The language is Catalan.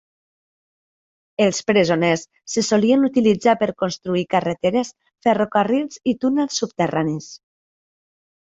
Els presoners se solien utilitzar per construir carreteres, ferrocarrils i túnels subterranis.